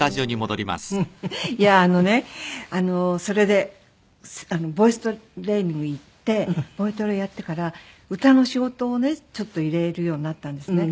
いやああのねあのそれでボイストレーニング行ってボイトレをやってから歌の仕事をねちょっと入れるようになったんですね。